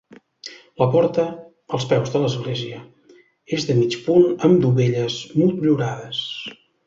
La porta, als peus de l'església, és de mig punt amb dovelles motllurades.